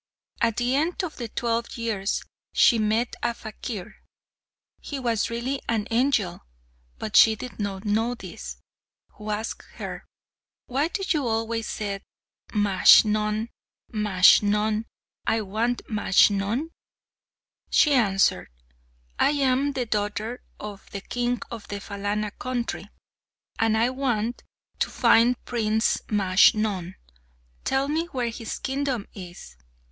At the end of the twelve years she met a fakir he was really an angel, but she did not know this who asked her, "Why do you always say, 'Majnun, Majnun; I want Majnun'?" She answered, "I am the daughter of the king of the Phalana country, and I want to find Prince Majnun; tell me where his kingdom is."